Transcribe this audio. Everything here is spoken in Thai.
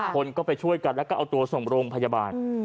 คนก็ไปช่วยกันแล้วก็เอาตัวส่งโรงพยาบาล